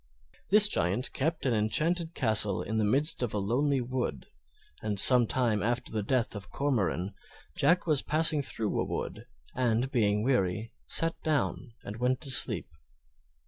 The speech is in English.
This Giant kept an enchanted castle in the midst of a lonely wood, and some time after the death of Cormoran, Jack was passing through a wood, and, being weary, sat down and went to sleep.